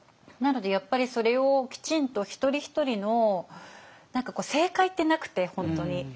なのでやっぱりそれをきちんと一人一人の正解ってなくて本当に。